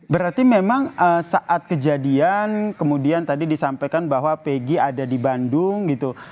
berarti memang saat kejadian kemudian tadi disampaikan bahwa pegi ada di bandung gitu